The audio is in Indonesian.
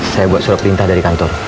saya buat surat perintah dari kantor